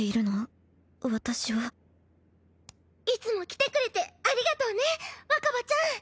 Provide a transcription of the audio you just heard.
いつも来てくれてありがとうね若葉ちゃん。